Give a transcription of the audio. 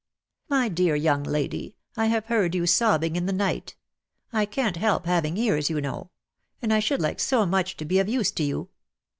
"My dear young lady, I have heard you sob bing in the night. I can't help having ears, you know; and I should like so much to be of use to you.